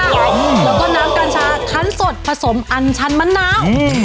แล้วก็น้ำกัญชาคันสดผสมอันชั้นมะนาวอืม